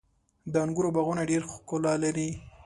• د انګورو باغونه ډېره ښکلا لري.